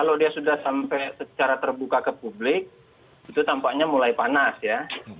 kalau dia sudah sampai secara terbuka ke publik itu tampaknya mulai panas ya